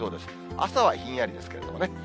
朝はひんやりですけれどもね。